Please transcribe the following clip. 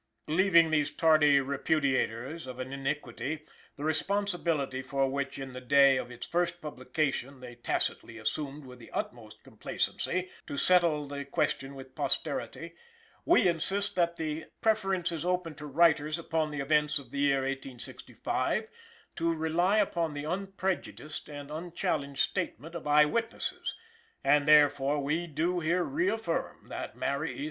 Leaving these tardy repudiators of an iniquity, the responsibility for which in the day of its first publication they tacitly assumed with the utmost complacency, to settle the question with posterity; we insist that the preference is open to writers upon the events of the year 1865 to rely upon the unprejudiced and unchallenged statements of eye witnesses; and, therefore, we do here reaffirm that Mary E.